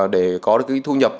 để có được cái thu nhập